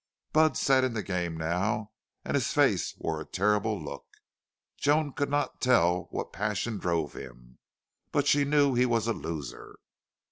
Budd sat in the game now, and his face wore a terrible look. Joan could not tell what passion drove him, but she knew he was a loser.